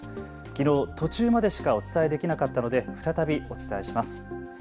きのう途中までしかお伝えできなかったので再びお伝えします。